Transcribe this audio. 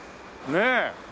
ねえ。